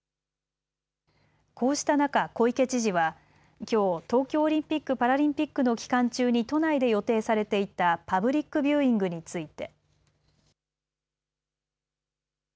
こうした中、小池知事はきょう東京オリンピック・パラリンピックの期間中に都内で予定されていたパブリックビューイングについて。